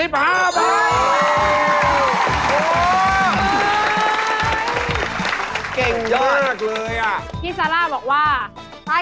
พี่ซาร่าบอกว่า